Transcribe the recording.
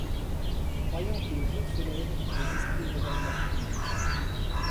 Croyant que le jour se lève les esprits regagnent leur tanière.